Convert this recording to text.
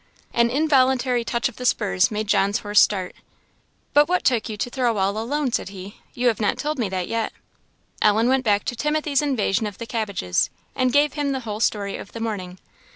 An involuntary touch of the spurs made John's horse start. "But what took you to Thirlwall alone?" said he "you have not told me that yet." Ellen went back to Timothy's invasion of the cabbages, and gave him the whole story of the morning.